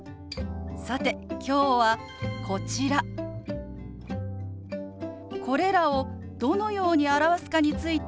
さて今日はこちらこれらをどのように表すかについてお話ししようと思います。